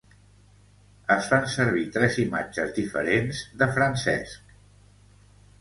Es van fer servir tres imatges diferents de Francesc.